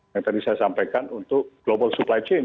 yang tadi saya sampaikan untuk global supply chain